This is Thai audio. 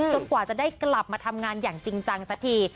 กว่าจะได้กลับมาทำงานอย่างจริงจังสักที